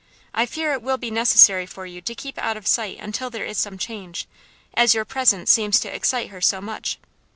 I fear it will be necessary for you to keep out of sight until there is some change, as your presence seems to excite her so much.